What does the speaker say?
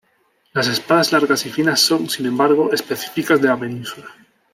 Las espadas largas y finas son, sin embargo, específicas de la península.